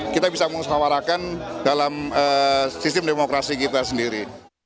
kita bisa mengusahawarakan dalam sistem demokrasi kita sendiri